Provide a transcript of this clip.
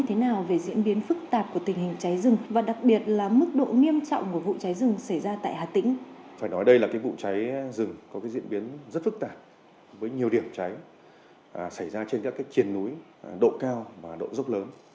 phải nói đây là vụ cháy rừng có diễn biến rất phức tạp với nhiều điểm cháy xảy ra trên các chiền núi độ cao và độ rốc lớn